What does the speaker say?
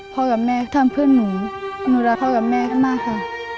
กับแม่ทำเพื่อนหนูหนูรักพ่อกับแม่มากค่ะ